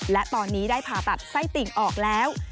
และตอนนี้ได้ผ่าตัดไส้ติ่งออกแล้ว